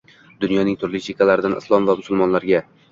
dunyoning turli chekalarida Islom va musulmonlarga